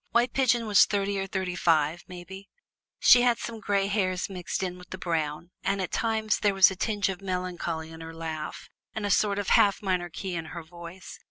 White Pigeon was thirty or thirty five, mebbe; she had some gray hairs mixed in with the brown, and at times there was a tinge of melancholy in her laugh and a sort of half minor key in her voice.